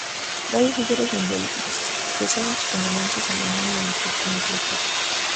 Varios líderes mundiales expresaron sus condolencias a Alemania y a las víctimas del ataque.